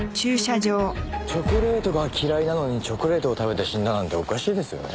チョコレートが嫌いなのにチョコレートを食べて死んだなんておかしいですよね。